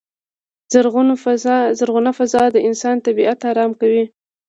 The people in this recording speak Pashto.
زرغونه فضا د انسان طبیعت ارامه کوی.